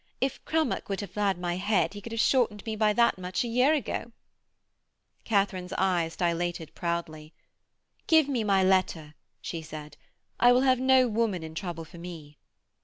If Crummock would have had my head he could have shortened me by that much a year ago.' Katharine's eyes dilated proudly. 'Give me my letter,' she said; 'I will have no woman in trouble for me.'